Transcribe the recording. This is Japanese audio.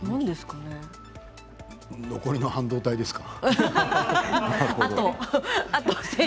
残りの半導体ですか。